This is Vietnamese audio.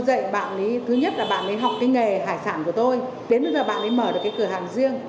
đến bây giờ bạn ấy mở được cái cửa hàng riêng